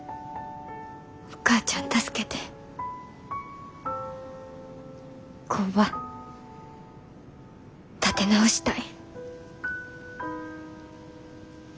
お母ちゃん助けて工場立て直したい。